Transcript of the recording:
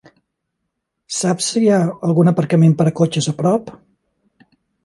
Saps si hi ha algun aparcament per a cotxes a prop?